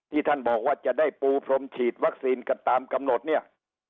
ท่านบอกว่าจะได้ปูพรมฉีดวัคซีนกันตามกำหนดเนี่ย